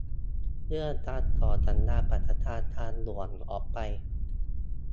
เรื่องการต่อสัญญาสัมปทานทางด่วนออกไป